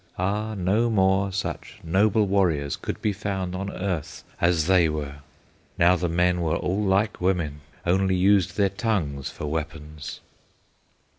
Ah, no more such noble warriors Could be found on earth as they were! Now the men were all like women, Only used their tongues for weapons!